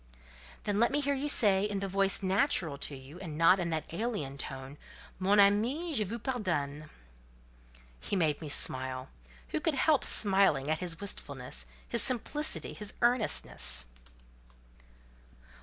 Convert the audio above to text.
"Let me hear you say, in the voice natural to you, and not in that alien tone, 'Mon ami, je vous pardonne.'" He made me smile. Who could help smiling at his wistfulness, his simplicity, his earnestness?